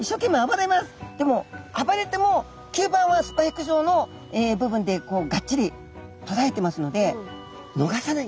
でも暴れても吸盤はスパイク状の部分でがっちりとらえてますので逃さないんですね。